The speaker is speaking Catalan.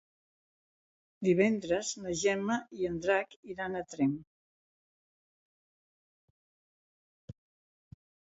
Divendres na Gemma i en Drac iran a Tremp.